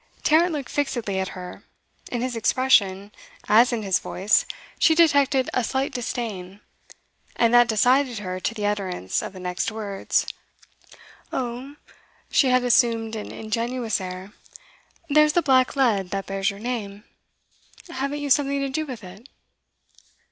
Tarrant looked fixedly at her; in his expression, as in his voice, she detected a slight disdain, and that decided her to the utterance of the next words. 'Oh' she had assumed an ingenuous air 'there's the Black Lead that bears your name. Haven't you something to do with it?